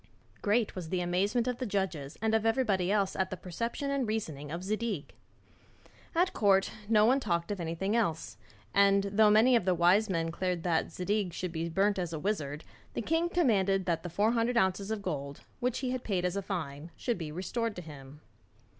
Great was the amazement of the judges and of everybody else at the perception and reasoning of Zadig. At court, no one talked of anything else; and though many of the wise men declared that Zadig should be burnt as a wizard, the king commanded that the four hundred ounces of gold, which he had paid as a fine, should be restored to him.